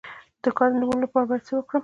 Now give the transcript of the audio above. د ګاز د نیولو لپاره باید څه وکړم؟